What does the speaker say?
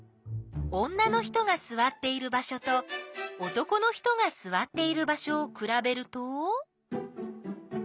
女の人がすわっている場所と男の人がすわっている場所をくらべると。